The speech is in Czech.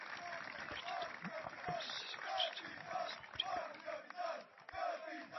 Naproti tomu Ambros se soustředil na milostný příběh.